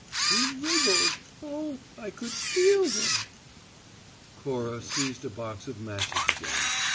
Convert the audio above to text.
He wriggled oh! I could feel him!" Cora seized a box of matches again.